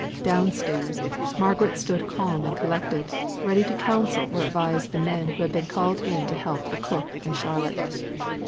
Down stairs, Margaret stood calm and collected, ready to counsel or advise the men who had been called in to help the cook and Charlotte.